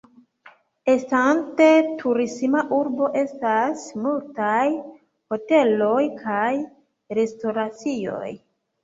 Estante turisma urbo, estas multaj hoteloj kaj restoracioj.